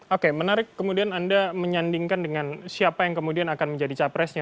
oke menarik kemudian anda menyandingkan dengan siapa yang kemudian akan menjadi capresnya